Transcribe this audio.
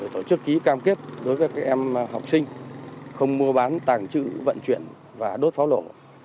tổ chức ký cam kết đối với các em học sinh không mua bán tàng trữ vận chuyển và đốt pháo nổ